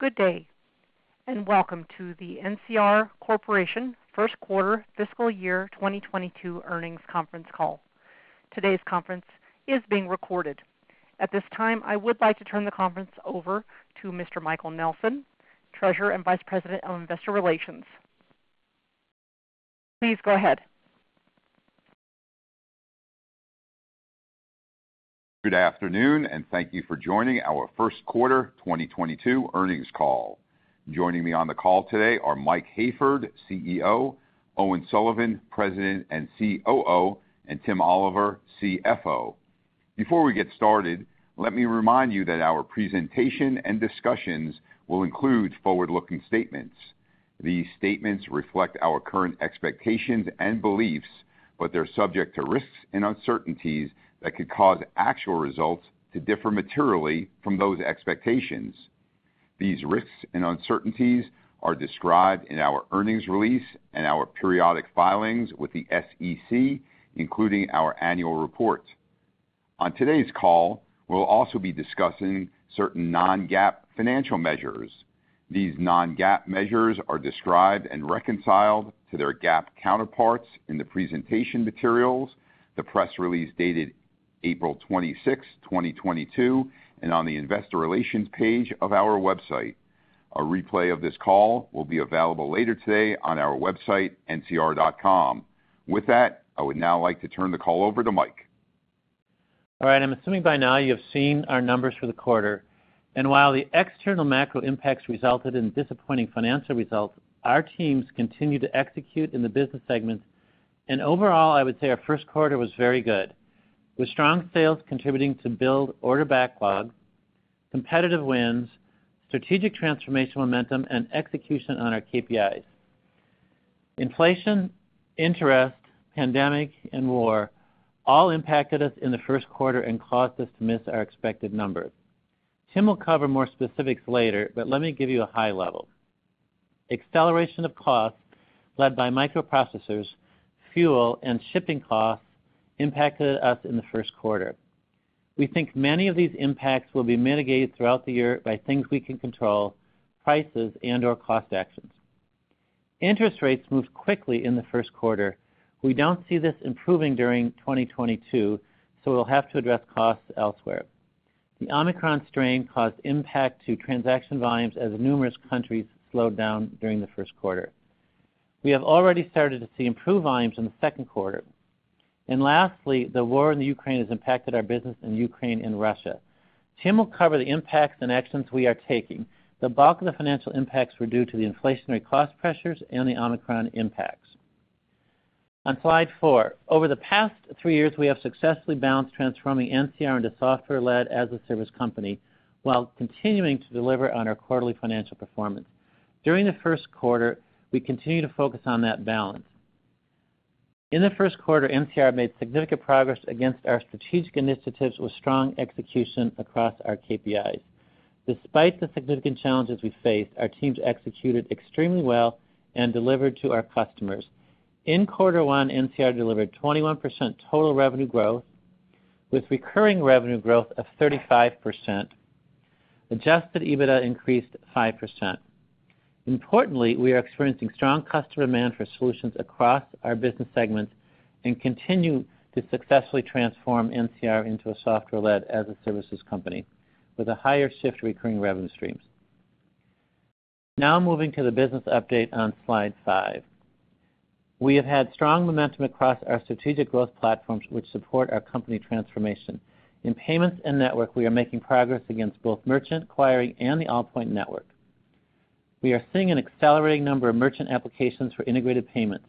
Good day, and welcome to the NCR Corporation first quarter fiscal year 2022 earnings conference call. Today's conference is being recorded. At this time, I would like to turn the conference over to Mr. Michael Nelson, Treasurer and Vice President of Investor Relations. Please go ahead. Good afternoon, and thank you for joining our first quarter 2022 earnings call. Joining me on the call today are Mike Hayford, CEO; Owen Sullivan, President and COO; and Tim Oliver, CFO. Before we get started, let me remind you that our presentation and discussions will include forward-looking statements. These statements reflect our current expectations and beliefs, but they're subject to risks and uncertainties that could cause actual results to differ materially from those expectations. These risks and uncertainties are described in our earnings release and our periodic filings with the SEC, including our annual report. On today's call, we'll also be discussing certain non-GAAP financial measures. These non-GAAP measures are described and reconciled to their GAAP counterparts in the presentation materials, the press release dated April 26, 2022, and on the investor relations page of our website. A replay of this call will be available later today on our website, ncr.com. With that, I would now like to turn the call over to Mike. All right, I'm assuming by now you have seen our numbers for the quarter. While the external macro impacts resulted in disappointing financial results, our teams continued to execute in the business segments. Overall, I would say our first quarter was very good, with strong sales contributing to build order backlog, competitive wins, strategic transformation momentum, and execution on our KPIs. Inflation, interest, pandemic, and war all impacted us in the first quarter and caused us to miss our expected numbers. Tim will cover more specifics later, but let me give you a high level. Acceleration of costs led by microprocessors, fuel, and shipping costs impacted us in the first quarter. We think many of these impacts will be mitigated throughout the year by things we can control, prices and/or cost actions. Interest rates moved quickly in the first quarter. We don't see this improving during 2022, so we'll have to address costs elsewhere. The Omicron strain caused impact to transaction volumes as numerous countries slowed down during the first quarter. We have already started to see improved volumes in the second quarter. Lastly, the war in the Ukraine has impacted our business in Ukraine and Russia. Tim will cover the impacts and actions we are taking. The bulk of the financial impacts were due to the inflationary cost pressures and the Omicron impacts. On slide four. Over the past three years, we have successfully balanced transforming NCR into software-led as a service company while continuing to deliver on our quarterly financial performance. During the first quarter, we continued to focus on that balance. In the first quarter, NCR made significant progress against our strategic initiatives with strong execution across our KPIs. Despite the significant challenges we faced, our teams executed extremely well and delivered to our customers. In quarter one, NCR delivered 21% total revenue growth, with recurring revenue growth of 35%. Adjusted EBITDA increased 5%. Importantly, we are experiencing strong customer demand for solutions across our business segments and continue to successfully transform NCR into a software-led, as-a-service company with a higher shift to recurring revenue streams. Now moving to the business update on slide five. We have had strong momentum across our strategic growth platforms which support our company transformation. In payments and network, we are making progress against both merchant acquiring and the Allpoint network. We are seeing an accelerating number of merchant applications for integrated payments.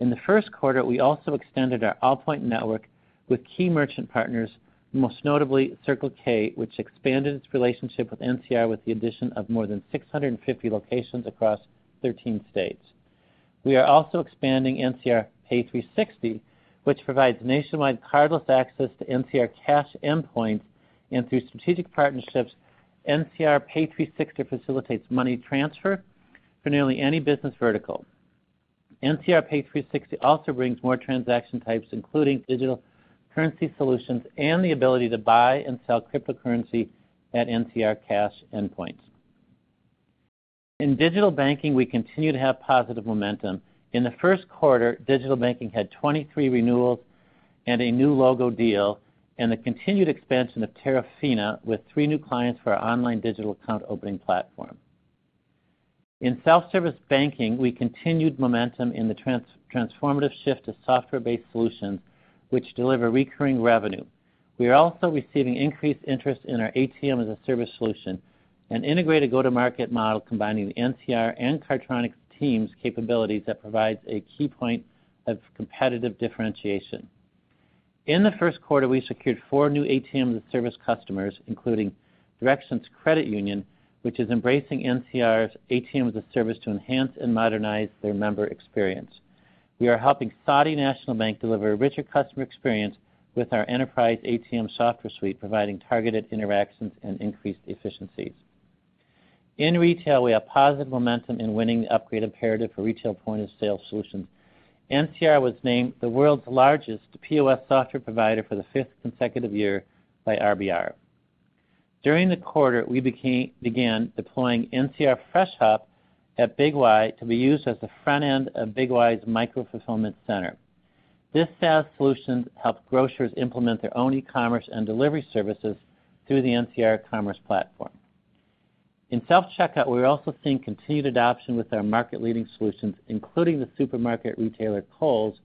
In the first quarter, we also extended our Allpoint network with key merchant partners, most notably Circle K, which expanded its relationship with NCR with the addition of more than 650 locations across 13 states. We are also expanding NCR Pay360, which provides nationwide cardless access to NCR cash endpoints. Through strategic partnerships, NCR Pay360 facilitates money transfer for nearly any business vertical. NCR Pay360 also brings more transaction types, including digital currency solutions and the ability to buy and sell cryptocurrency at NCR cash endpoints. In digital banking, we continue to have positive momentum. In the first quarter, digital banking had 23 renewals and a new logo deal, and the continued expansion of Terafina, with three new clients for our online digital account opening platform. In self-service banking, we continued momentum in the transformative shift to software-based solutions which deliver recurring revenue. We are also receiving increased interest in our ATM-as-a-service solution, an integrated go-to-market model combining NCR and Cardtronics teams capabilities that provides a key point of competitive differentiation. In the first quarter, we secured four new ATM-as-a-service customers, including Directions Credit Union, which is embracing NCR's ATM-as-a-service to enhance and modernize their member experience. We are helping Saudi National Bank deliver a richer customer experience with our enterprise ATM software suite, providing targeted interactions and increased efficiencies. In retail, we have positive momentum in winning the upgrade imperative for retail point-of-sale solutions. NCR was named the world's largest POS software provider for the fifth consecutive year by RBR. During the quarter, we began deploying NCR Freshop at Big Y to be used as the front end of Big Y's micro-fulfillment center. This SaaS solution helps grocers implement their own e-commerce and delivery services through the NCR Commerce platform. In self-checkout, we're also seeing continued adoption with our market-leading solutions, including the supermarket retailer, Coles,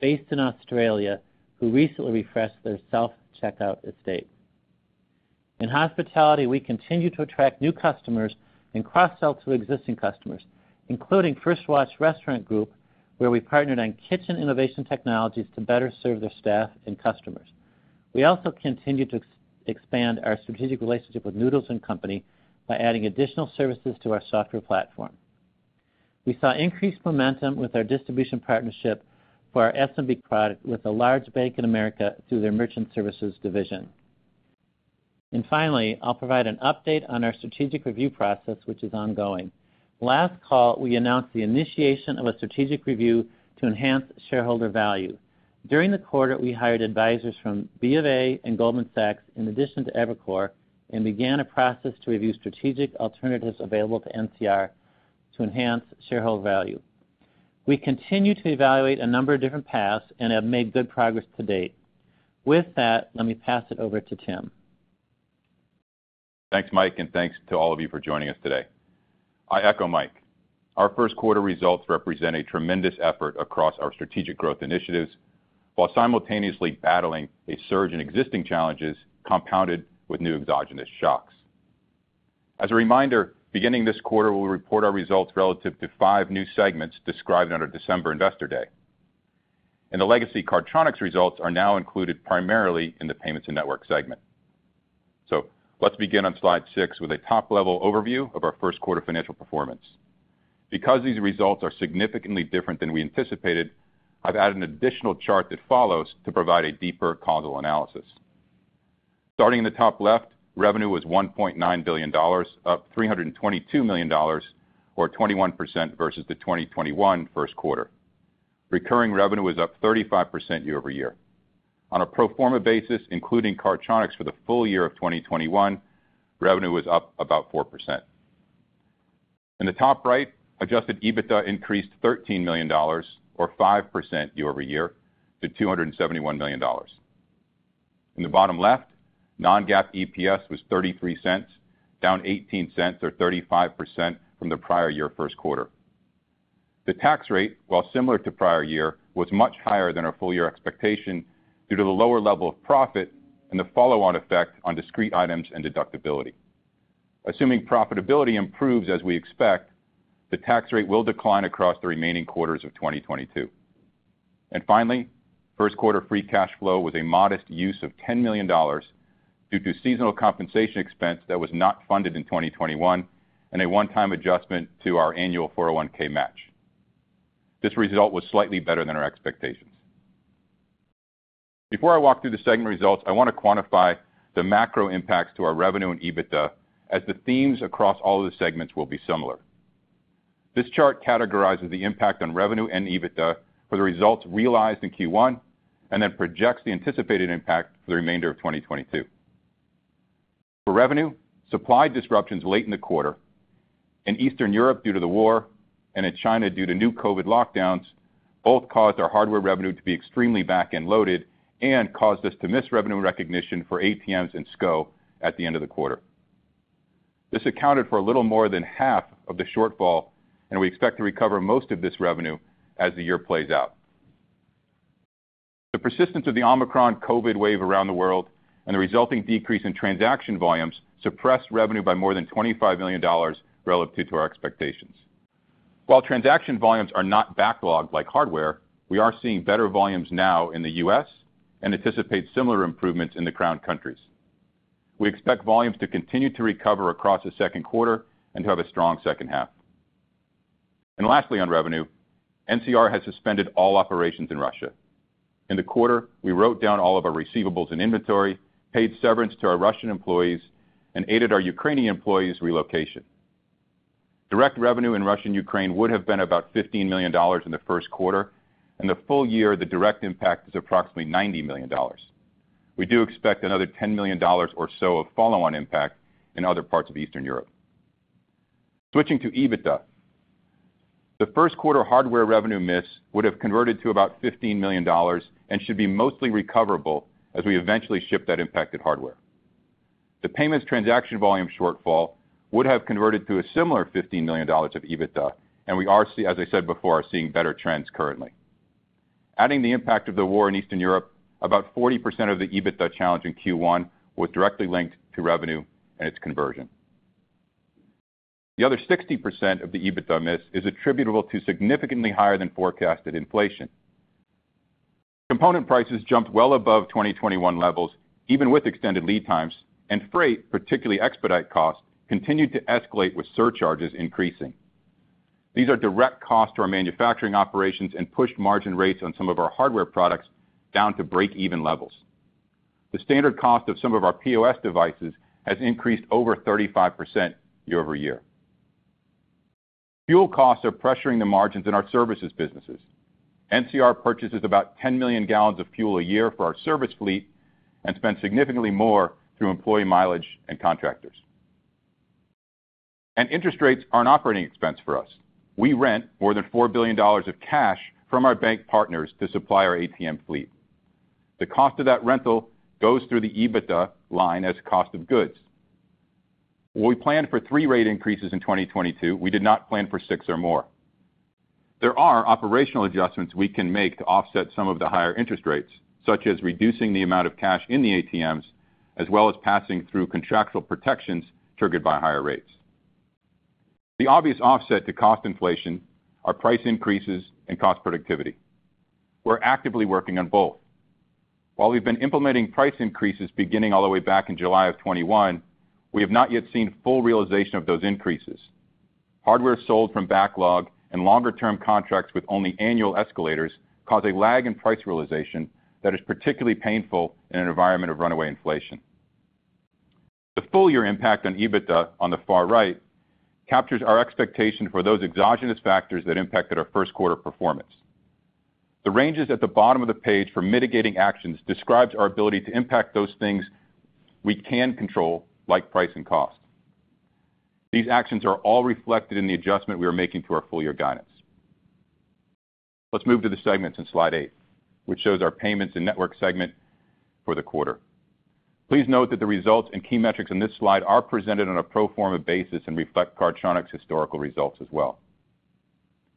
based in Australia, who recently refreshed their self-checkout estate. In hospitality, we continue to attract new customers and cross-sell to existing customers, including First Watch Restaurant Group, where we partnered on kitchen innovation technologies to better serve their staff and customers. We also continue to expand our strategic relationship with Noodles & Company by adding additional services to our software platform. We saw increased momentum with our distribution partnership for our SMB product with a large bank in America through their merchant services division. Finally, I'll provide an update on our strategic review process, which is ongoing. Last call, we announced the initiation of a strategic review to enhance shareholder value. During the quarter, we hired advisors from B of A and Goldman Sachs, in addition to Evercore, and began a process to review strategic alternatives available to NCR to enhance shareholder value. We continue to evaluate a number of different paths and have made good progress to date. With that, let me pass it over to Tim. Thanks, Mike, and thanks to all of you for joining us today. I echo Mike. Our first quarter results represent a tremendous effort across our strategic growth initiatives while simultaneously battling a surge in existing challenges compounded with new exogenous shocks. As a reminder, beginning this quarter, we'll report our results relative to five new segments described under December Investor Day. The legacy Cardtronics results are now included primarily in the payments and network segment. Let's begin on slide 6 with a top-level overview of our first quarter financial performance. Because these results are significantly different than we anticipated, I've added an additional chart that follows to provide a deeper causal analysis. Starting in the top left, revenue was $1.9 billion, up $322 million or 21% versus the 2021 first quarter. Recurring revenue was up 35% year-over-year. On a pro forma basis, including Cardtronics for the full year of 2021, revenue was up about 4%. In the top right, adjusted EBITDA increased $13 million or 5% year-over-year to $271 million. In the bottom left, non-GAAP EPS was $0.33, down $0.18 or 35% from the prior year first quarter. The tax rate, while similar to prior year, was much higher than our full year expectation due to the lower level of profit and the follow-on effect on discrete items and deductibility. Assuming profitability improves as we expect, the tax rate will decline across the remaining quarters of 2022. Finally, first quarter free cash flow was a modest use of $10 million due to seasonal compensation expense that was not funded in 2021 and a one-time adjustment to our annual 401(k) match. This result was slightly better than our expectations. Before I walk through the segment results, I wanna quantify the macro impacts to our revenue and EBITDA, as the themes across all of the segments will be similar. This chart categorizes the impact on revenue and EBITDA for the results realized in Q1, and then projects the anticipated impact for the remainder of 2022. For revenue, supply disruptions late in the quarter in Eastern Europe due to the war and in China due to new COVID lockdowns both caused our hardware revenue to be extremely back-end loaded and caused us to miss revenue recognition for ATMs and SCO at the end of the quarter. This accounted for a little more than half of the shortfall, and we expect to recover most of this revenue as the year plays out. The persistence of the Omicron COVID wave around the world and the resulting decrease in transaction volumes suppressed revenue by more than $25 million relative to our expectations. While transaction volumes are not backlogged like hardware, we are seeing better volumes now in the U.S. and anticipate similar improvements in the Crown countries. We expect volumes to continue to recover across the second quarter and to have a strong second half. Lastly, on revenue, NCR has suspended all operations in Russia. In the quarter, we wrote down all of our receivables and inventory, paid severance to our Russian employees, and aided our Ukrainian employees relocation. Direct revenue in Russia and Ukraine would have been about $15 million in the first quarter, and the full year, the direct impact is approximately $90 million. We do expect another $10 million or so of follow-on impact in other parts of Eastern Europe. Switching to EBITDA, the first quarter hardware revenue miss would have converted to about $15 million and should be mostly recoverable as we eventually ship that impacted hardware. The payments transaction volume shortfall would have converted to a similar $15 million of EBITDA, and, as I said before, we are seeing better trends currently. Adding the impact of the war in Eastern Europe, about 40% of the EBITDA challenge in Q1 was directly linked to revenue and its conversion. The other 60% of the EBITDA miss is attributable to significantly higher than forecasted inflation. Component prices jumped well above 2021 levels, even with extended lead times, and freight, particularly expedite costs, continued to escalate with surcharges increasing. These are direct costs to our manufacturing operations and pushed margin rates on some of our hardware products down to break-even levels. The standard cost of some of our POS devices has increased over 35% year-over-year. Fuel costs are pressuring the margins in our services businesses. NCR purchases about 10 million gallons of fuel a year for our service fleet and spends significantly more through employee mileage and contractors. Interest rates are an operating expense for us. We rent more than $4 billion of cash from our bank partners to supply our ATM fleet. The cost of that rental goes through the EBITDA line as cost of goods. When we planned for three rate increases in 2022, we did not plan for six or more. There are operational adjustments we can make to offset some of the higher interest rates, such as reducing the amount of cash in the ATMs, as well as passing through contractual protections triggered by higher rates. The obvious offset to cost inflation are price increases and cost productivity. We're actively working on both. While we've been implementing price increases beginning all the way back in July 2021, we have not yet seen full realization of those increases. Hardware sold from backlog and longer-term contracts with only annual escalators cause a lag in price realization that is particularly painful in an environment of runaway inflation. The full year impact on EBITDA on the far right captures our expectation for those exogenous factors that impacted our first quarter performance. The ranges at the bottom of the page for mitigating actions describes our ability to impact those things we can control, like price and cost. These actions are all reflected in the adjustment we are making to our full year guidance. Let's move to the segments in slide 8, which shows our payments and network segment for the quarter. Please note that the results and key metrics in this slide are presented on a pro forma basis and reflect Cardtronics historical results as well.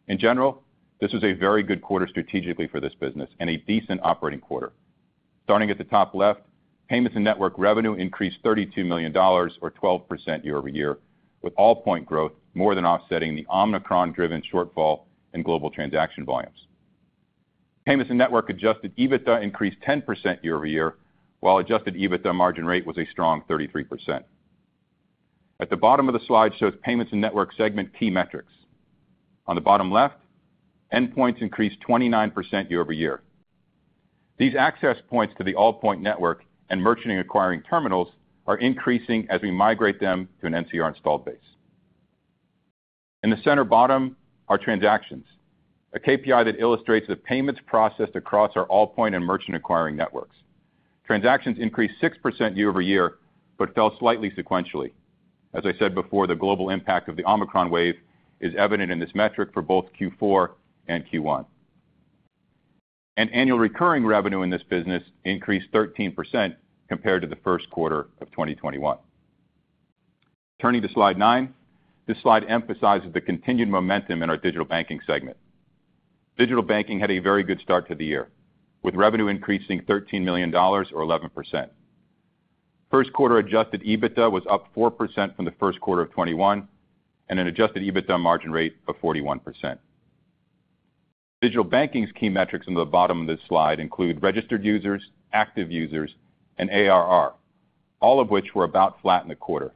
In general, this was a very good quarter strategically for this business and a decent operating quarter. Starting at the top left, payments and network revenue increased $32 million or 12% year-over-year, with Allpoint growth more than offsetting the Omicron-driven shortfall in global transaction volumes. Payments and network adjusted EBITDA increased 10% year-over-year, while adjusted EBITDA margin rate was a strong 33%. At the bottom of the slide shows payments and network segment key metrics. On the bottom left, endpoints increased 29% year-over-year. These access points to the Allpoint network and merchant and acquiring terminals are increasing as we migrate them to an NCR installed base. In the center bottom are transactions, a KPI that illustrates the payments processed across our Allpoint and merchant acquiring networks. Transactions increased 6% year-over-year, but fell slightly sequentially. As I said before, the global impact of the Omicron wave is evident in this metric for both Q4 and Q1. Annual recurring revenue in this business increased 13% compared to the first quarter of 2021. Turning to slide nine, this slide emphasizes the continued momentum in our digital banking segment. Digital banking had a very good start to the year, with revenue increasing $13 million or 11%. First quarter adjusted EBITDA was up 4% from the first quarter of 2021 and an adjusted EBITDA margin rate of 41%. Digital banking's key metrics in the bottom of this slide include registered users, active users, and ARR, all of which were about flat in the quarter.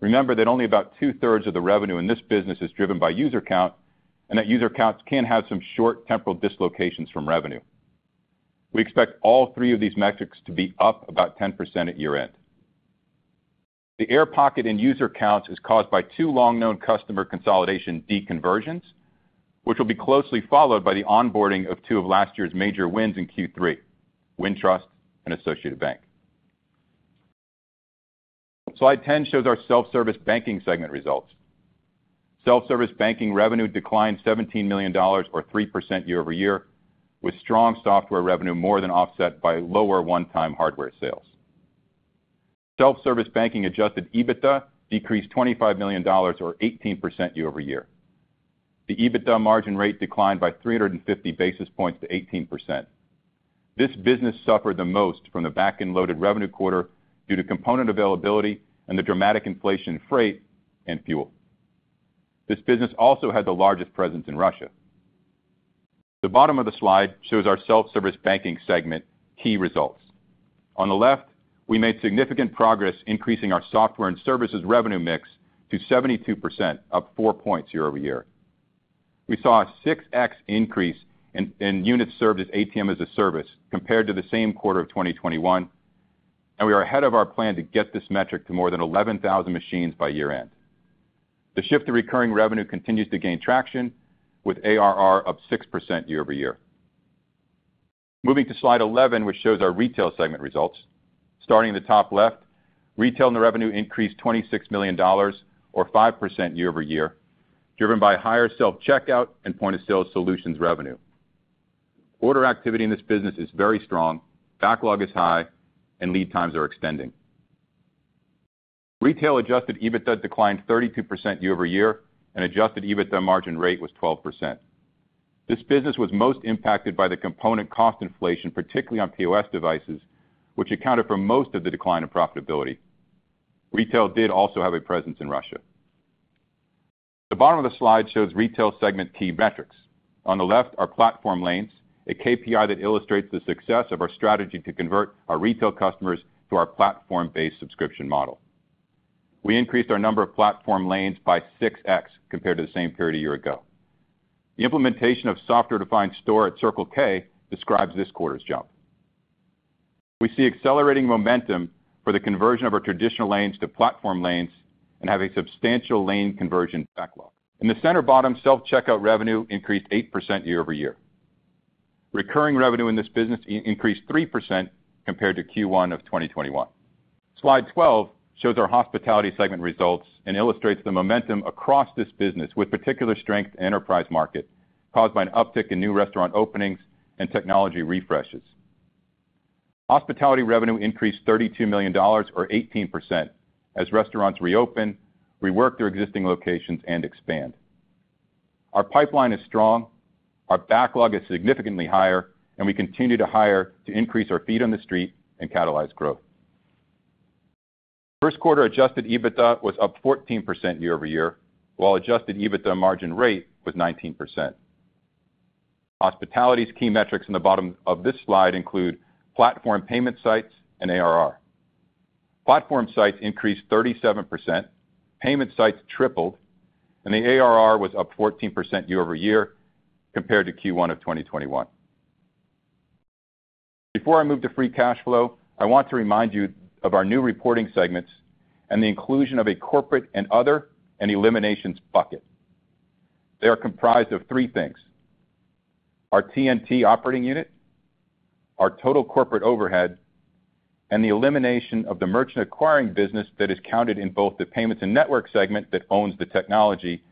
Remember that only about two-thirds of the revenue in this business is driven by user count, and that user counts can have some short temporal dislocations from revenue. We expect all three of these metrics to be up about 10% at year-end. The air pocket in user counts is caused by two long-known customer consolidation deconversions, which will be closely followed by the onboarding of two of last year's major wins in Q3, Wintrust and Associated Bank. Slide 10 shows our self-service banking segment results. Self-service banking revenue declined $17 million or 3% year-over-year, with strong software revenue more than offset by lower one-time hardware sales. Self-service banking adjusted EBITDA decreased $25 million or 18% year-over-year. The EBITDA margin rate declined by 350 basis points to 18%. This business suffered the most from the back-end loaded revenue quarter due to component availability and the dramatic inflation in freight and fuel. This business also had the largest presence in Russia. The bottom of the slide shows our self-service banking segment key results. On the left, we made significant progress increasing our software and services revenue mix to 72%, up 4 points year-over-year. We saw a 6x increase in units served as ATM as a service compared to the same quarter of 2021, and we are ahead of our plan to get this metric to more than 11,000 machines by year-end. The shift to recurring revenue continues to gain traction, with ARR up 6% year-over-year. Moving to slide 11, which shows our retail segment results. Starting at the top left, retail net revenue increased $26 million or 5% year-over-year, driven by higher self-checkout and point-of-sale solutions revenue. Order activity in this business is very strong, backlog is high, and lead times are extending. Retail adjusted EBITDA declined 32% year-over-year, and adjusted EBITDA margin rate was 12%. This business was most impacted by the component cost inflation, particularly on POS devices, which accounted for most of the decline of profitability. Retail did also have a presence in Russia. The bottom of the slide shows retail segment key metrics. On the left are platform lanes, a KPI that illustrates the success of our strategy to convert our retail customers to our platform-based subscription model. We increased our number of platform lanes by 6x compared to the same period a year ago. The implementation of software-defined store at Circle K describes this quarter's jump. We see accelerating momentum for the conversion of our traditional lanes to platform lanes and have a substantial lane conversion backlog. In the center bottom, self-checkout revenue increased 8% year-over-year. Recurring revenue in this business increased 3% compared to Q1 of 2021. Slide 12 shows our hospitality segment results and illustrates the momentum across this business with particular strength in the enterprise market, caused by an uptick in new restaurant openings and technology refreshes. Hospitality revenue increased $32 million or 18% as restaurants reopen, rework their existing locations, and expand. Our pipeline is strong, our backlog is significantly higher, and we continue to hire to increase our feet on the street and catalyze growth. First quarter adjusted EBITDA was up 14% year-over-year, while adjusted EBITDA margin rate was 19%. Hospitality's key metrics in the bottom of this slide include platform sites, payment sites, and ARR. Platform sites increased 37%, payment sites tripled, and the ARR was up 14% year-over-year compared to Q1 of 2021. Before I move to free cash flow, I want to remind you of our new reporting segments and the inclusion of a corporate and other and eliminations bucket. They are comprised of three things, our T&T operating unit, our total corporate overhead, and the elimination of the merchant acquiring business that is counted in both the payments and network segment that owns the technology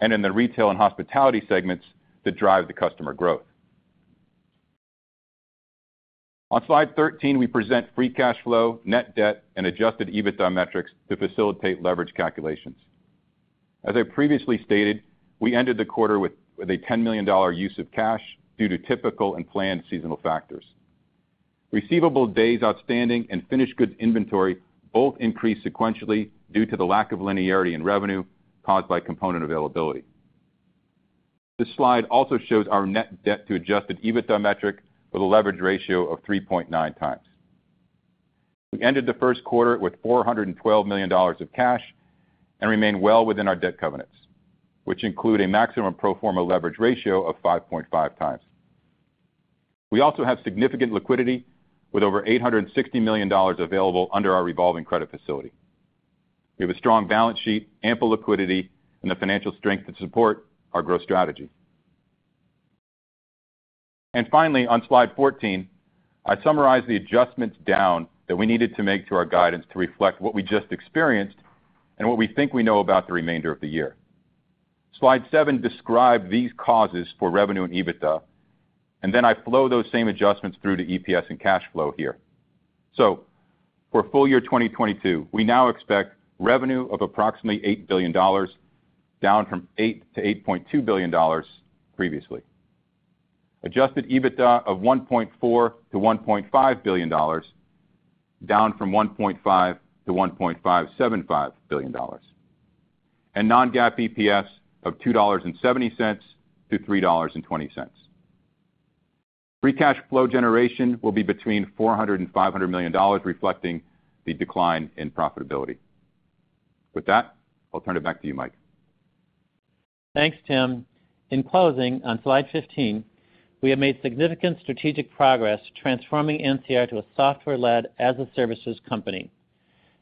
and in the retail and hospitality segments that drive the customer growth. On slide 13, we present free cash flow, net debt, and adjusted EBITDA metrics to facilitate leverage calculations. As I previously stated, we ended the quarter with a $10 million use of cash due to typical and planned seasonal factors. Receivable days outstanding and finished goods inventory both increased sequentially due to the lack of linearity in revenue caused by component availability. This slide also shows our net debt to adjusted EBITDA metric with a leverage ratio of 3.9 times. We ended the first quarter with $412 million of cash and remain well within our debt covenants, which include a maximum pro forma leverage ratio of 5.5 times. We also have significant liquidity with over $860 million available under our revolving credit facility. We have a strong balance sheet, ample liquidity, and the financial strength to support our growth strategy. Finally, on slide 14, I summarize the adjustments down that we needed to make to our guidance to reflect what we just experienced and what we think we know about the remainder of the year. Slide 7 described these causes for revenue and EBITDA, and then I flow those same adjustments through to EPS and cash flow here. For full year 2022, we now expect revenue of approximately $8 billion, down from $8 billion to $8.2 billion previously. Adjusted EBITDA of $1.4 billion-$1.5 billion, down from $1.5 billion to $1.575 billion. Non-GAAP EPS of $2.70-$3.20. Free cash flow generation will be between $400 million and $500 million, reflecting the decline in profitability. With that, I'll turn it back to you, Mike. Thanks, Tim. In closing, on slide 15, we have made significant strategic progress transforming NCR to a software-led as-a-service company.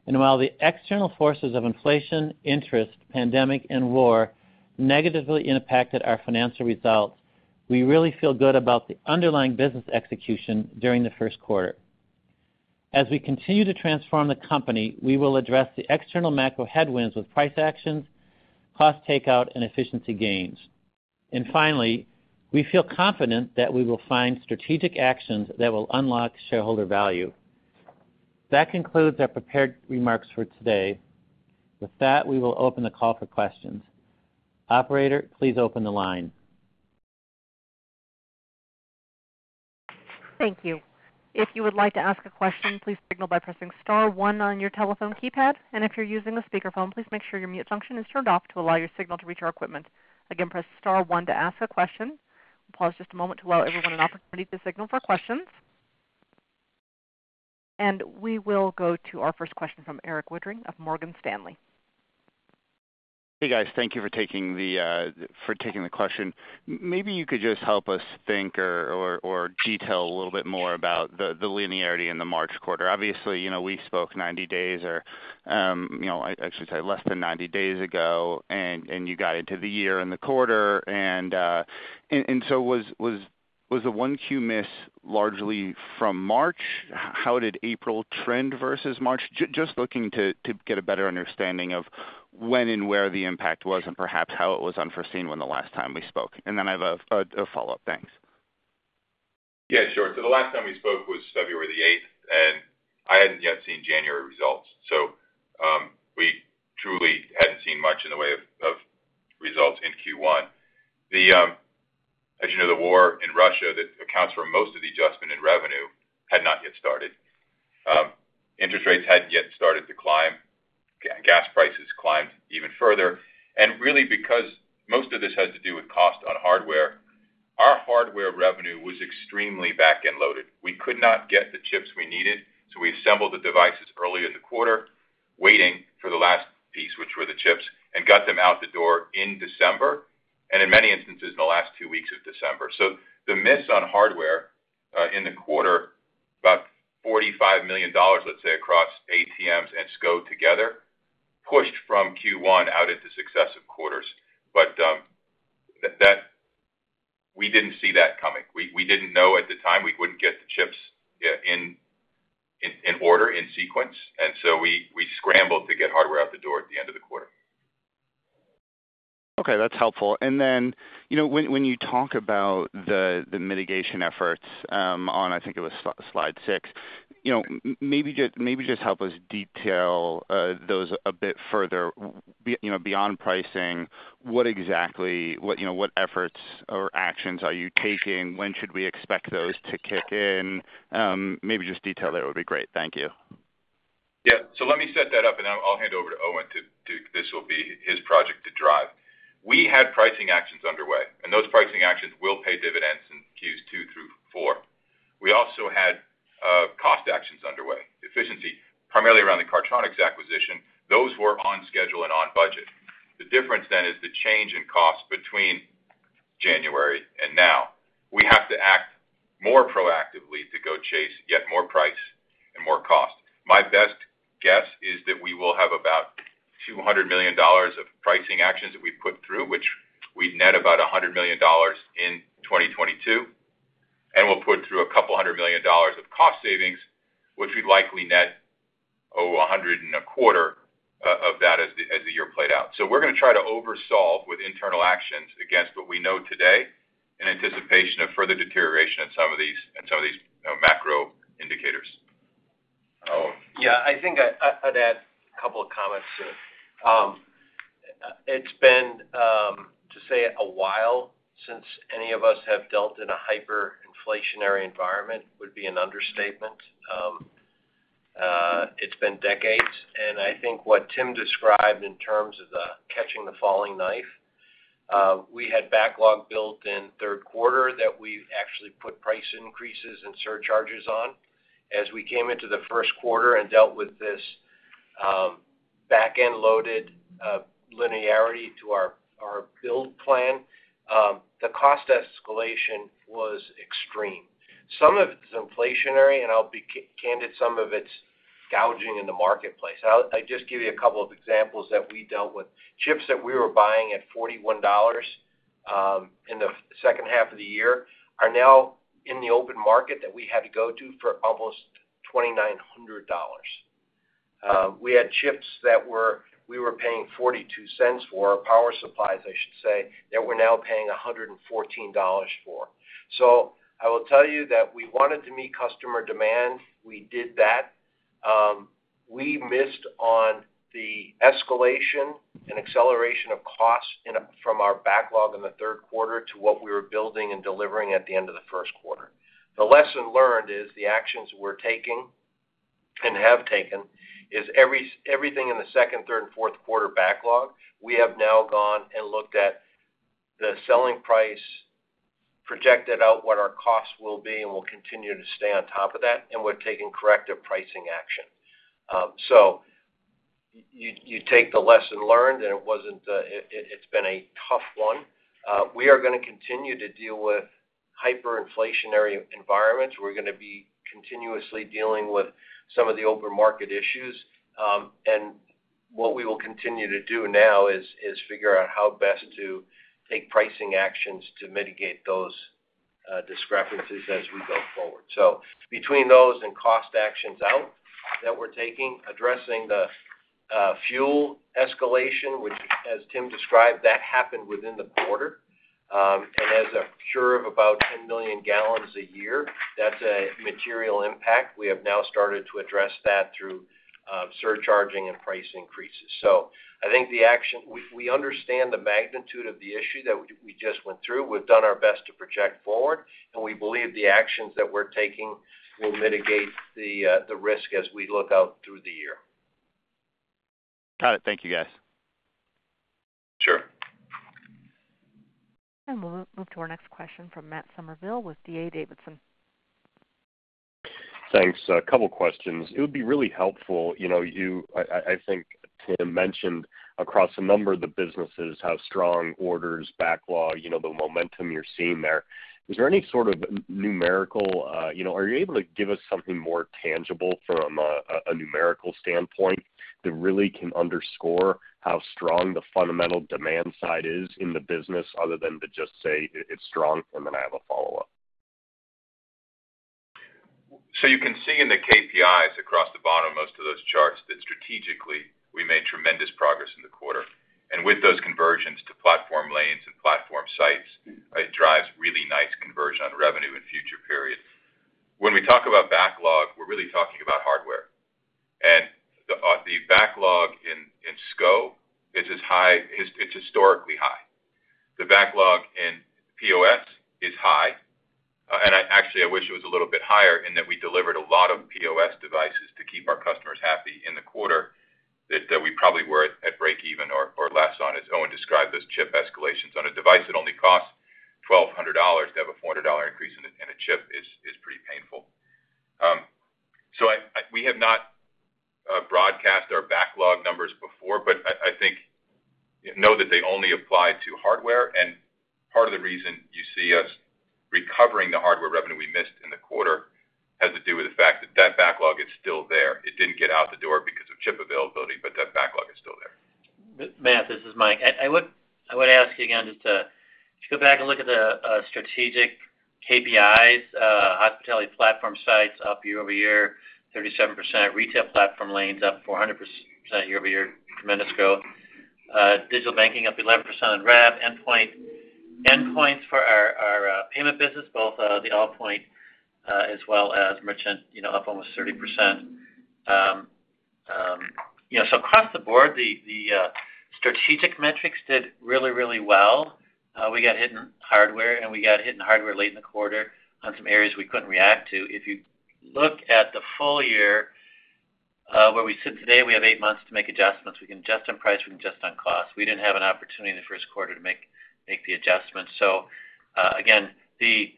While the external forces of inflation, interest, pandemic, and war negatively impacted our financial results, we really feel good about the underlying business execution during the first quarter. As we continue to transform the company, we will address the external macro headwinds with price actions, cost takeout, and efficiency gains. Finally, we feel confident that we will find strategic actions that will unlock shareholder value. That concludes our prepared remarks for today. With that, we will open the call for questions. Operator, please open the line. Thank you. If you would like to ask a question, please signal by pressing star one on your telephone keypad. If you're using a speakerphone, please make sure your mute function is turned off to allow your signal to reach our equipment. Again, press star one to ask a question. We'll pause just a moment to allow everyone an opportunity to signal for questions. We will go to our first question from Erik Woodring of Morgan Stanley. Hey, guys. Thank you for taking the question. Maybe you could just help us think or detail a little bit more about the linearity in the March quarter. Obviously, you know, we spoke 90 days or less than 90 days ago and you got into the year and the quarter. Was the 1Q miss largely from March? How did April trend versus March? Just looking to get a better understanding of when and where the impact was and perhaps how it was unforeseen the last time we spoke. Then I have a follow-up. Thanks. Yeah, sure. The last time we spoke was February the eighth, and I hadn't yet seen January results. We truly hadn't seen much in the way of results in Q1. As you know, the war in Russia that accounts for most of the adjustment in revenue had not yet started. Interest rates hadn't yet started to climb. Gas prices climbed even further. Really because most of this has to do with costs. Our revenue was extremely back-end loaded. We could not get the chips we needed, so we assembled the devices early in the quarter, waiting for the last piece, which were the chips, and got them out the door in December, and in many instances, in the last two weeks of December. The miss on hardware in the quarter, about $45 million, let's say, across ATMs and SCO together, pushed from Q1 out into successive quarters. We didn't see that coming. We didn't know at the time we wouldn't get the chips in order, in sequence. We scrambled to get hardware out the door at the end of the quarter. Okay, that's helpful. Then, you know, when you talk about the mitigation efforts on, I think it was slide six, you know, maybe just help us detail those a bit further. You know, beyond pricing, what efforts or actions are you taking? When should we expect those to kick in? Maybe just detail that would be great. Thank you. Yeah. Let me set that up, and I'll hand over to Owen. This will be his project to drive. We had pricing actions underway, and those pricing actions will pay dividends in Q2 through Q4. We also had cost actions underway, efficiency, primarily around the Cardtronics acquisition. Those were on schedule and on budget. The difference then is the change in cost between January and now. We have to act more proactively to go chase yet more price and more cost. My best guess is that we will have about $200 million of pricing actions that we put through which we net about $100 million in 2022, and we'll put through a couple hundred million dollars of cost savings, which we'd likely net over $125 million of that as the year played out. We're gonna try to over-solve with internal actions against what we know today in anticipation of further deterioration in some of these, you know, macro indicators. Owen. Yeah. I think I'd add a couple of comments to it. To say it's been a while since any of us have dealt in a hyperinflationary environment would be an understatement. It's been decades, and I think what Tim described in terms of catching the falling knife, we had backlog built in third quarter that we actually put price increases and surcharges on. As we came into the first quarter and dealt with this, back-end loaded linearity to our build plan, the cost escalation was extreme. Some of it is inflationary, and I'll be candid, some of it's gouging in the marketplace. I'll just give you a couple of examples that we dealt with. Chips that we were buying at $41 in the second half of the year are now in the open market that we had to go to for almost $2,900. We had chips that we were paying $0.42 for, power supplies, I should say, that we're now paying $114 for. I will tell you that we wanted to meet customer demand. We did that. We missed on the escalation and acceleration of costs from our backlog in the third quarter to what we were building and delivering at the end of the first quarter. The lesson learned is the actions we're taking and have taken is every thing in the second, third, and fourth quarter backlog. We have now gone and looked at the selling price, projected out what our costs will be, and we'll continue to stay on top of that, and we're taking corrective pricing action. You take the lesson learned, and it wasn't, it's been a tough one. We are gonna continue to deal with hyperinflationary environments. We're gonna be continuously dealing with some of the open market issues. What we will continue to do now is figure out how best to take pricing actions to mitigate those discrepancies as we go forward. Between those and cost actions that we're taking, addressing the fuel escalation, which as Tim described happened within the quarter. As a purchaser of about 10 million gallons a year, that's a material impact. We have now started to address that through surcharging and price increases. We understand the magnitude of the issue that we just went through. We've done our best to project forward, and we believe the actions that we're taking will mitigate the risk as we look out through the year. Got it. Thank you, guys. Sure. We'll move to our next question from Matt Summerville with D.A. Davidson. Thanks. A couple questions. It would be really helpful. You know, I think Tim mentioned across a number of the businesses how strong orders, backlog, you know, the momentum you're seeing there. Is there any sort of numerical? Are you able to give us something more tangible from a numerical standpoint that really can underscore how strong the fundamental demand side is in the business, other than to just say it's strong? And then I have a follow-up. You can see in the KPIs across the bottom of most of those charts that strategically, we made tremendous progress in the quarter. With those conversions to platform lanes and platform sites, it drives really nice conversion on revenue in future periods. When we talk about backlog, we're really talking about hardware. The backlog in SCO is historically high. The backlog in POS is high. I actually wish it was a little bit higher in that we delivered a lot of POS devices to keep our customers happy in the quarter that we probably were at breakeven or less on, as Owen described, those chip escalations. On a device that only costs $1,200, to have a $400 increase in a chip is pretty painful. We have not broadcast our backlog numbers before, but I think, you know, that they only apply to hardware. Part of the reason you see us recovering the hardware revenue we missed in the quarter has to do with the fact that that backlog is still there. It didn't get out the door because of chip availability, but that backlog is still there. Matt, this is Mike. I would ask you again just to just go back and look at the strategic KPIs, hospitality platform sites up year-over-year, 37%, retail platform lanes up 400% year-over-year, tremendous growth. Digital banking up 11% in rev, endpoints for our payment business, both the Allpoint as well as merchant, you know, up almost 30%. You know, so across the board, the strategic metrics did really well. We got hit in hardware late in the quarter on some areas we couldn't react to. If you look at the full year, where we sit today, we have eight months to make adjustments. We can adjust on price, we can adjust on cost. We didn't have an opportunity in the first quarter to make the adjustments. Again, the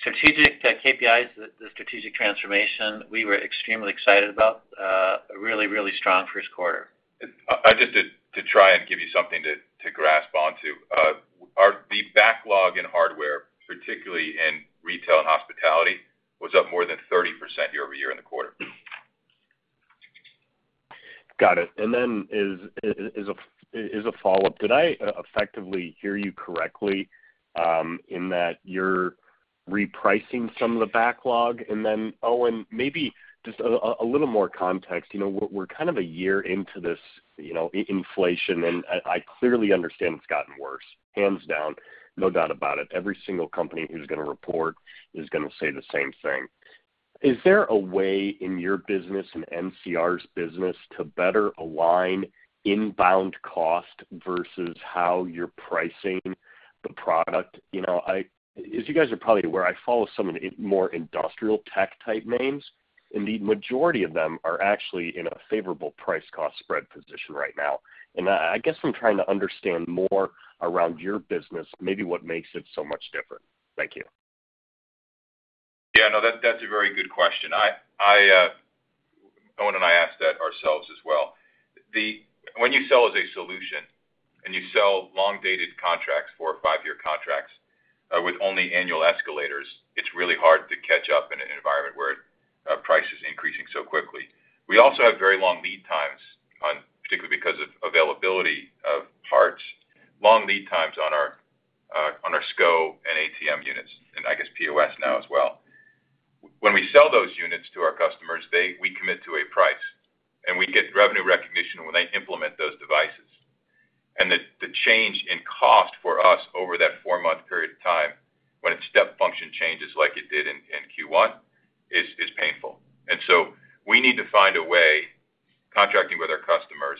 strategic KPIs, the strategic transformation, we were extremely excited about a really strong first quarter. Just to try and give you something to grasp onto, the backlog in hardware, particularly in retail and hospitality, was up more than 30% year-over-year in the quarter. Got it. As a follow-up, did I effectively hear you correctly, in that you're repricing some of the backlog? Owen, maybe just a little more context. You know, we're kind of a year into this, you know, inflation, and I clearly understand it's gotten worse, hands down, no doubt about it. Every single company who's gonna report is gonna say the same thing. Is there a way in your business and NCR's business to better align inbound cost versus how you're pricing the product? You know, as you guys are probably aware, I follow some of the more industrial tech type names, and the majority of them are actually in a favorable price-cost spread position right now. I guess I'm trying to understand more around your business, maybe what makes it so much different. Thank you. Yeah, no, that's a very good question. Owen and I ask that ourselves as well. When you sell as a solution and you sell long-dated contracts, four or five-year contracts, with only annual escalators, it's really hard to catch up in an environment where price is increasing so quickly. We also have very long lead times on, particularly because of availability of parts, long lead times on our, on our SCO and ATM units, and I guess POS now as well. When we sell those units to our customers, we commit to a price, and we get revenue recognition when they implement those devices. The change in cost for us over that four-month period of time when a step function changes like it did in Q1 is painful. We need to find a way, contracting with our customers,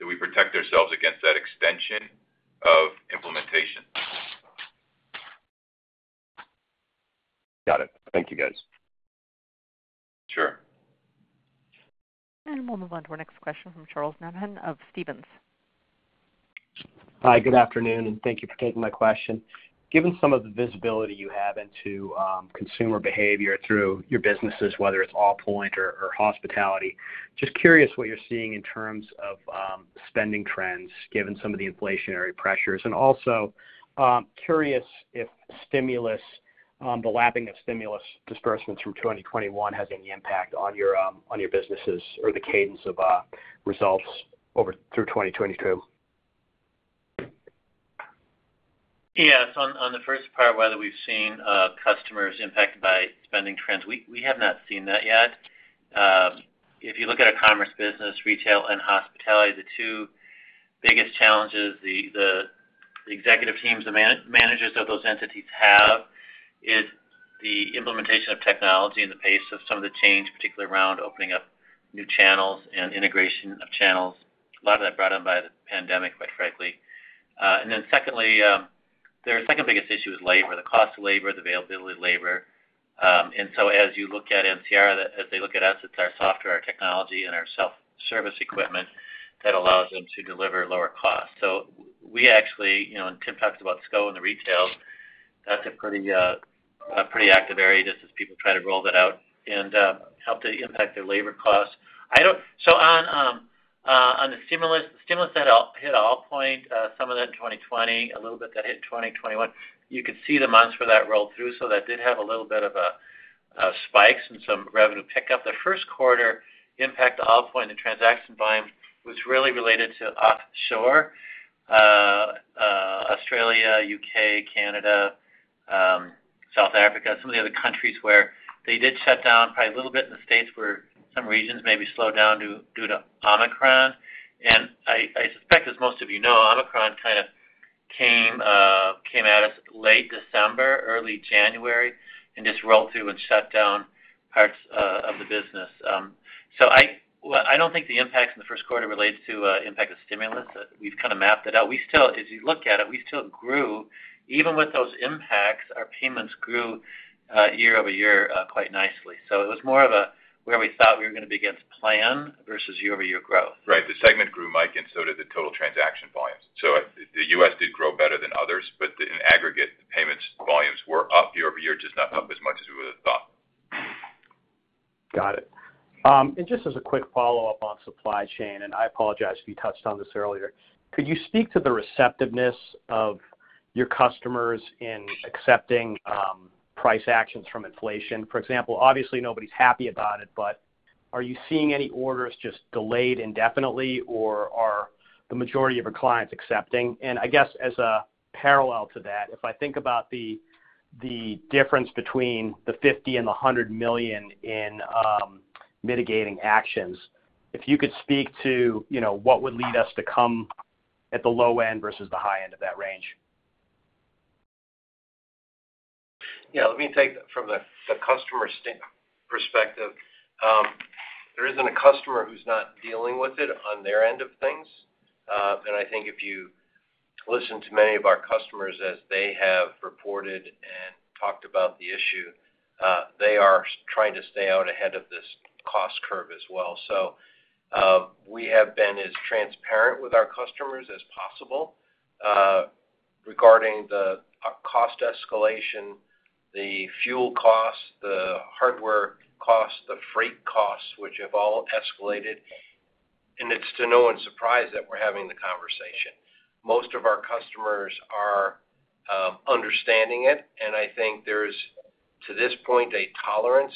that we protect ourselves against that extension of implementation. Got it. Thank you, guys. Sure. We'll move on to our next question from Charles Nabhan of Stephens. Hi, good afternoon, and thank you for taking my question. Given some of the visibility you have into consumer behavior through your businesses, whether it's Allpoint or hospitality, just curious what you're seeing in terms of spending trends, given some of the inflationary pressures. Also, curious if stimulus, the lapping of stimulus disbursements from 2021 has any impact on your businesses or the cadence of results over through 2022. Yes. On the first part, whether we've seen customers impacted by spending trends, we have not seen that yet. If you look at our commerce business, retail and hospitality, the two biggest challenges the executive teams, the managers of those entities have is the implementation of technology and the pace of some of the change, particularly around opening up new channels and integration of channels. A lot of that brought on by the pandemic, quite frankly. Their second biggest issue is labor, the cost of labor, the availability of labor. As you look at NCR, as they look at us, it's our software, our technology, and our self-service equipment that allows them to deliver lower costs. We actually, you know, and Tim talks about SCO and the retail, that's a pretty active area just as people try to roll that out and help to impact their labor costs. On the stimulus that hit Allpoint, some of that in 2020, a little bit that hit in 2021, you could see the months where that rolled through, so that did have a little bit of a spike and some revenue pickup. The first quarter impact to Allpoint and transaction volume was really related to offshore, Australia, U.K., Canada, South Africa, some of the other countries where they did shut down probably a little bit in the States, where some regions maybe slowed down due to Omicron. I suspect as most of you know, Omicron kind of came at us late December, early January, and just rolled through and shut down parts of the business. So I don't think the impacts in the first quarter relates to impact of stimulus. We've kinda mapped it out. We still, as you look at it, grew. Even with those impacts, our payments grew. Year-over-year, quite nicely. It was more of a where we thought we were gonna be against plan versus year-over-year growth. Right. The segment grew, Mike, and so did the total transaction volumes. The U.S. did grow better than others, but in aggregate, the payments volumes were up year-over-year, just not up as much as we would have thought. Got it. Just as a quick follow-up on supply chain, and I apologize if you touched on this earlier. Could you speak to the receptiveness of your customers in accepting price actions from inflation? For example, obviously, nobody's happy about it, but are you seeing any orders just delayed indefinitely, or are the majority of your clients accepting? I guess as a parallel to that, if I think about the difference between the $50 million and the $100 million in mitigating actions, if you could speak to, you know, what would lead us to come at the low end versus the high end of that range. Yeah, let me take from the customer perspective. There isn't a customer who's not dealing with it on their end of things. I think if you listen to many of our customers as they have reported and talked about the issue, they are trying to stay out ahead of this cost curve as well. We have been as transparent with our customers as possible, regarding the cost escalation, the fuel costs, the hardware costs, the freight costs, which have all escalated. It's to no one's surprise that we're having the conversation. Most of our customers are understanding it, and I think there's, to this point, a tolerance.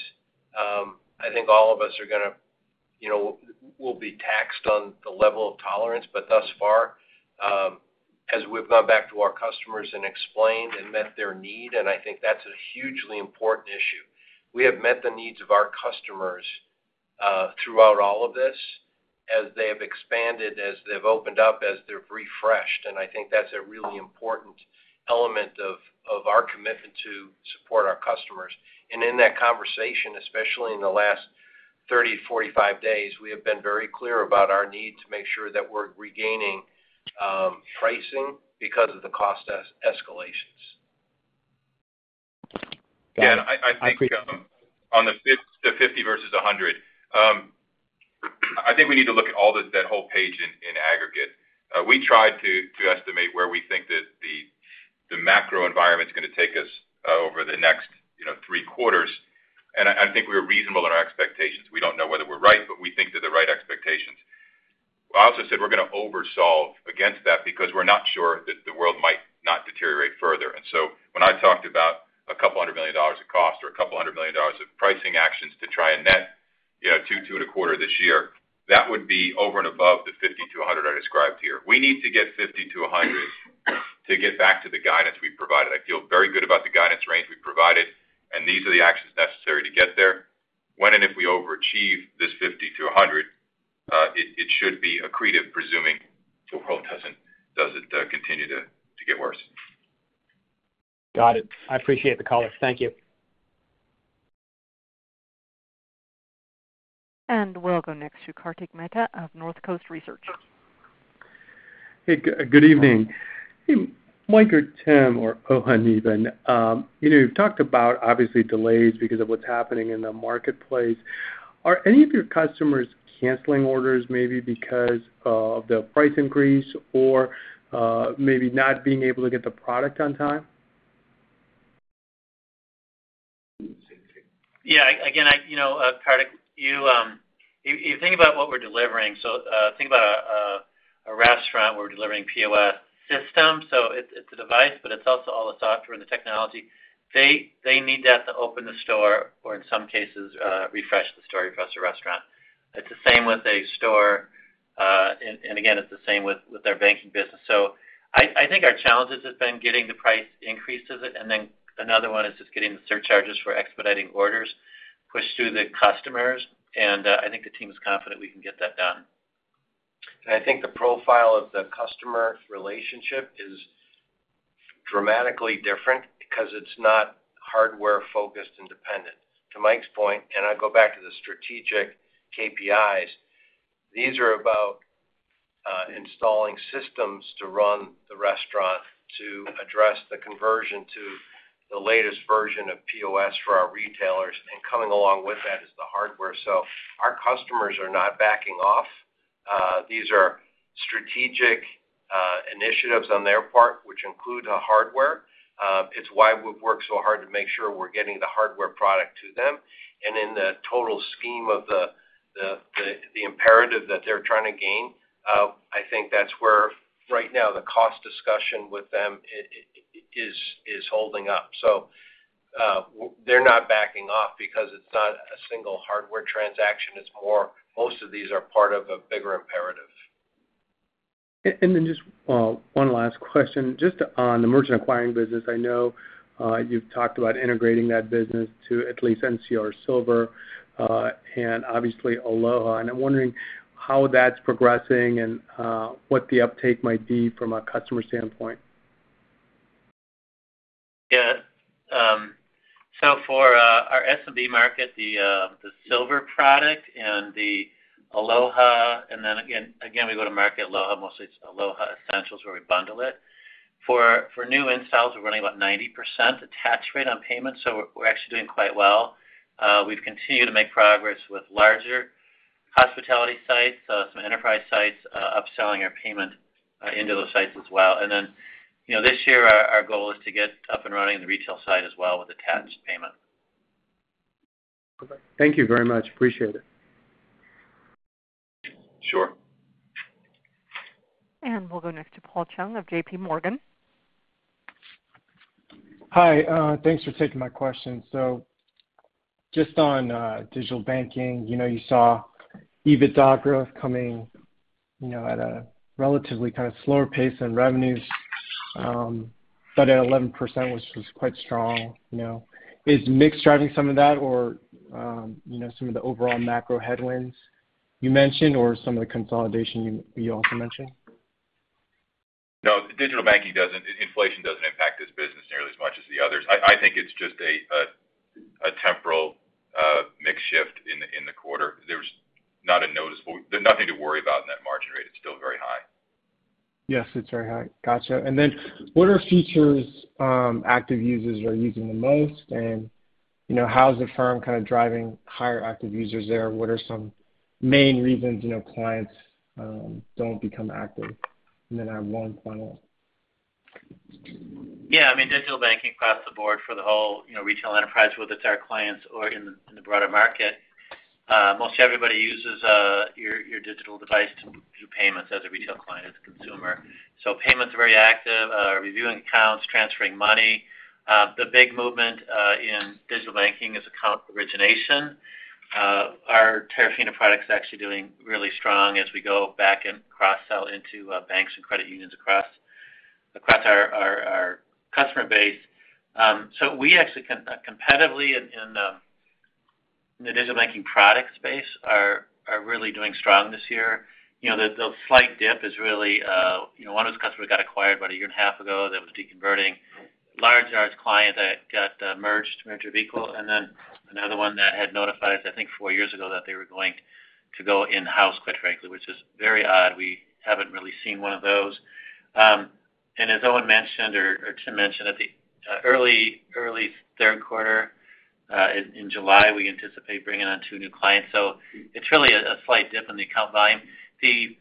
I think all of us are gonna, you know, we'll be taxed on the level of tolerance. Thus far, as we've gone back to our customers and explained and met their need, and I think that's a hugely important issue. We have met the needs of our customers throughout all of this as they have expanded, as they've opened up, as they've refreshed. I think that's a really important element of our commitment to support our customers. In that conversation, especially in the last 30, 45 days, we have been very clear about our need to make sure that we're regaining pricing because of the cost escalations. Yeah, I think on the 50 versus 100, I think we need to look at all that whole page in aggregate. We tried to estimate where we think that the macro environment is gonna take us over the next, you know, three quarters. I think we're reasonable in our expectations. We don't know whether we're right, but we think they're the right expectations. I also said we're gonna oversolve against that because we're not sure that the world might not deteriorate further. When I talked about $200 million of cost or $200 million of pricing actions to try and net, you know, 2%-2.25% this year, that would be over and above the $50 million-$100 million I described here. We need to get 50-100 to get back to the guidance we provided. I feel very good about the guidance range we provided, and these are the actions necessary to get there. When and if we overachieve this 50-100, it should be accretive, presuming the world doesn't continue to get worse. Got it. I appreciate the color. Thank you. We'll go next to Kartik Mehta of Northcoast Research. Hey, good evening. Mike or Tim or Owen, you know, you've talked about obviously delays because of what's happening in the marketplace. Are any of your customers canceling orders, maybe because of the price increase or, maybe not being able to get the product on time? Yeah. Again, I you know, Kartik, you think about what we're delivering. Think about a restaurant where we're delivering POS system. It's a device, but it's also all the software and the technology. They need that to open the store or in some cases, refresh the store, refresh the restaurant. It's the same with a store, and again, it's the same with our banking business. I think our challenges has been getting the price increases, and then another one is just getting the surcharges for expediting orders pushed through the customers. I think the team is confident we can get that done. I think the profile of the customer relationship is dramatically different because it's not hardware-focused and dependent. To Mike's point, I go back to the strategic KPIs. These are about installing systems to run the restaurant to address the conversion to the latest version of POS for our retailers, and coming along with that is the hardware. Our customers are not backing off. These are strategic initiatives on their part, which include hardware. It's why we've worked so hard to make sure we're getting the hardware product to them. In the total scheme of the imperative that they're trying to gain, I think that's where right now the cost discussion with them is holding up. They're not backing off because it's not a single hardware transaction. It's more. Most of these are part of a bigger imperative. Just one last question. Just on the merchant acquiring business, I know you've talked about integrating that business to at least NCR Silver and obviously Aloha. I'm wondering how that's progressing and what the uptake might be from a customer standpoint. Yeah. So far. SMB market, the NCR Silver and the Aloha. We go to market Aloha, mostly it's Aloha Essentials, where we bundle it. For new installs, we're running about 90% attach rate on payments, so we're actually doing quite well. We've continued to make progress with larger hospitality sites, some enterprise sites, upselling our payment into those sites as well. You know, this year our goal is to get up and running in the retail side as well with attached payment. Okay. Thank you very much. Appreciate it. Sure. We'll go next to Paul Chung of J.P. Morgan. Hi, thanks for taking my question. Just on digital banking, you know, you saw EBITDA growth coming, you know, at a relatively kind of slower pace than revenues, but at 11%, which was quite strong, you know. Is mix driving some of that or, you know, some of the overall macro headwinds you mentioned or some of the consolidation you also mentioned? No, inflation doesn't impact this business nearly as much as the others. I think it's just a temporary mix shift in the quarter. There's nothing to worry about in that margin rate. It's still very high. Yes, it's very high. Gotcha. What are features active users are using the most? You know, how is the firm kind of driving higher active users there? What are some main reasons, you know, clients don't become active? I have one final. Yeah, I mean, digital banking across the board for the whole, you know, retail enterprise, whether it's our clients or in the broader market, mostly everybody uses your digital device to do payments as a retail client, as a consumer. Payment's very active, reviewing accounts, transferring money. The big movement in digital banking is account origination. Our Terafina product's actually doing really strong as we go back and cross-sell into banks and credit unions across our customer base. We actually competitively in the digital banking product space are really doing strong this year. You know, the slight dip is really one of those customers got acquired about a year and a half ago that was deconverting. Large banking client that got merged, merger of equals. Then another one that had notified, I think four years ago that they were going to go in-house, quite frankly, which is very odd. We haven't really seen one of those. As Owen mentioned or Tim mentioned at the early third quarter in July, we anticipate bringing on two new clients. It's really a slight dip in the account volume. The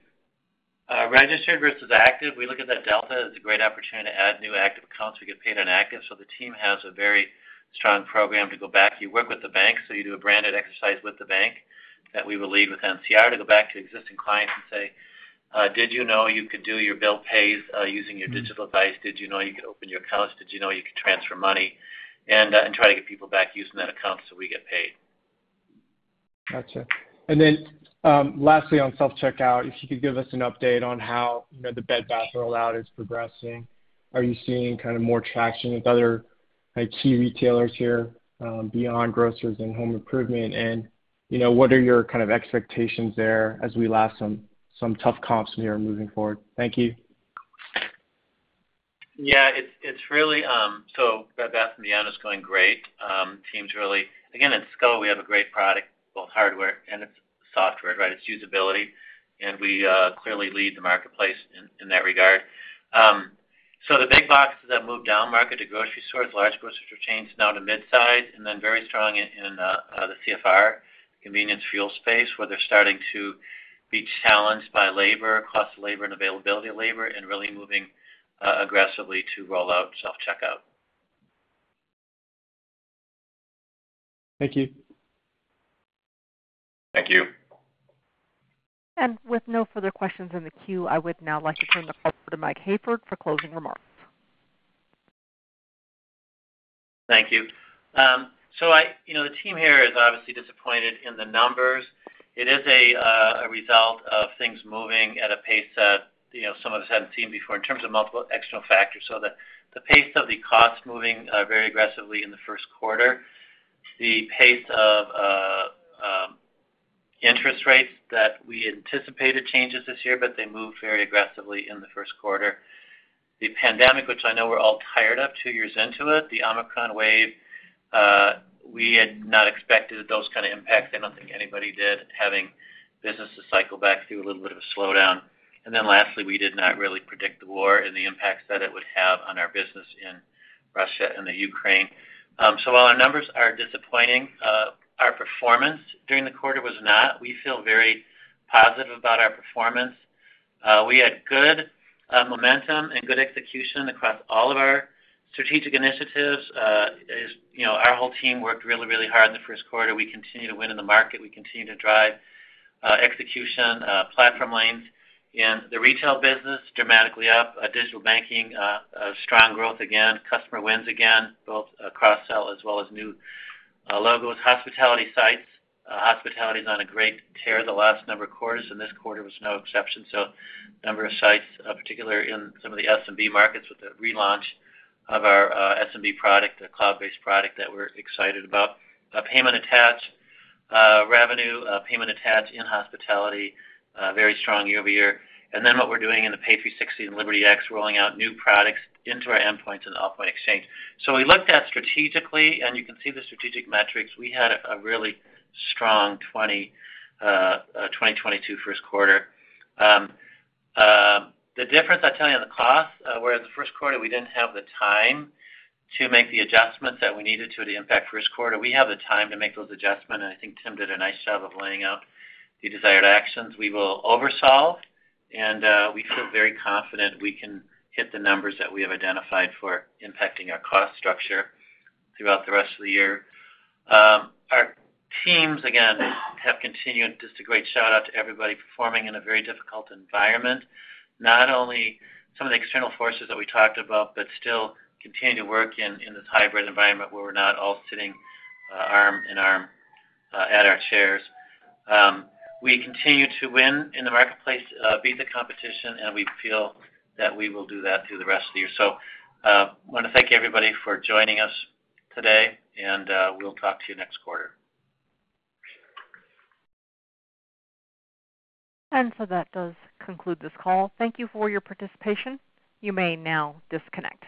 registered versus active, we look at that delta as a great opportunity to add new active accounts. We get paid on active, so the team has a very strong program to go back. You work with the bank, so you do a branded exercise with the bank that we will leave with NCR to go back to existing clients and say, "Did you know you could do your bill pays using your digital device? Did you know you could open your accounts? Did you know you could transfer money?" Try to get people back using that account so we get paid. Gotcha. Lastly, on self-checkout, if you could give us an update on how, you know, the Bed Bath rollout is progressing. Are you seeing kind of more traction with other, like, key retailers here, beyond grocers and home improvement? You know, what are your kind of expectations there as we lap some tough comps here moving forward? Thank you. Yeah, it's really. Bed Bath & Beyond is going great. The team's really. Again, at Skrill, we have a great product, both hardware and its software, right? Its usability. We clearly lead the marketplace in the CFR, convenience fuel space, where they're starting to be challenged by labor costs and availability of labor, and really moving aggressively to roll out self-checkout. Thank you. Thank you. With no further questions in the queue, I would now like to turn the floor over to Mike Hayford for closing remarks. Thank you. You know, the team here is obviously disappointed in the numbers. It is a result of things moving at a pace that, you know, some of us hadn't seen before in terms of multiple external factors. The pace of the costs moving very aggressively in the first quarter, the pace of interest rates that we anticipated changes this year, but they moved very aggressively in the first quarter. The pandemic, which I know we're all tired of two years into it, the Omicron wave, we had not expected those kind of impacts. I don't think anybody did, having businesses cycle back through a little bit of a slowdown. Then lastly, we did not really predict the war and the impacts that it would have on our business in Russia and the Ukraine. While our numbers are disappointing, our performance during the quarter was not. We feel very positive about our performance. We had good momentum and good execution across all of our strategic initiatives. As you know, our whole team worked really hard in the first quarter. We continue to win in the market. We continue to drive execution, platform lanes in the retail business dramatically up. Digital banking, a strong growth again. Customer wins again, both cross-sell as well as new logos. Hospitality sites. Hospitality is on a great tear the last number of quarters, and this quarter was no exception. Number of sites, particularly in some of the SMB markets with the relaunch of our SMB product, a cloud-based product that we're excited about. Payment attachment revenue, payment attachment in hospitality, very strong year over year. Then what we're doing in the Pay360 and LibertyX, rolling out new products into our endpoints in the Allpoint Exchange. We looked at strategically, and you can see the strategic metrics. We had a really strong 2022 first quarter. The difference, I tell you, on the costs, where the first quarter we didn't have the time to make the adjustments that we needed to impact first quarter. We have the time to make those adjustments, and I think Tim did a nice job of laying out the desired actions. We will oversolve, and we feel very confident we can hit the numbers that we have identified for impacting our cost structure throughout the rest of the year. Our teams, again, they have continued just a great shout-out to everybody performing in a very difficult environment. Not only some of the external forces that we talked about, but still continue to work in this hybrid environment where we're not all sitting arm in arm at our chairs. We continue to win in the marketplace, beat the competition, and we feel that we will do that through the rest of the year. Wanna thank everybody for joining us today and we'll talk to you next quarter. That does conclude this call. Thank you for your participation. You may now disconnect.